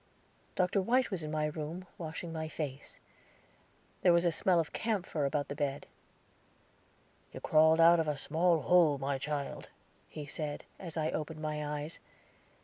Dr. White was in my room, washing my face. There was a smell of camphor about the bed. "You crawled out of a small hole, my child," he said, as I opened my eyes.